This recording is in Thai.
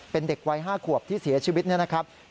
เป็นเด็กวัย๕ขวบที่เสียชีวิตเนี่ยนะครับ